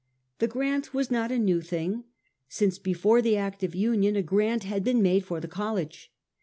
The grant was not a new thing. Since before the Act of Union a grant had been made for the college.